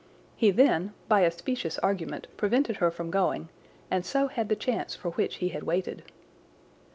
He then, by a specious argument, prevented her from going, and so had the chance for which he had waited.